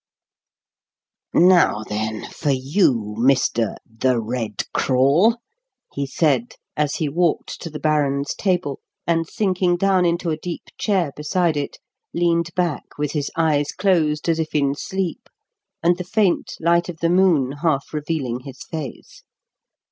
"Now then for you, Mr. 'The Red Crawl,'" he said, as he walked to the baron's table, and, sinking down into a deep chair beside it, leaned back with his eyes closed as if in sleep, and the faint light of the moon half revealing his face.